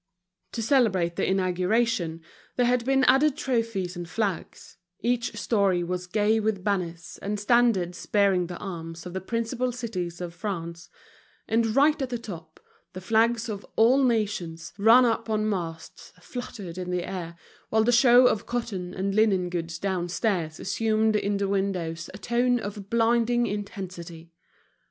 To celebrate the inauguration, there had been added trophies and flags; each storey was gay with banners and standards bearing the arms of the principal cities of France; and right at the top, the flags of all nations, run up on masts, fluttered in the air, while the show of cotton and linen goods downstairs assumed in the windows a tone of blinding intensity.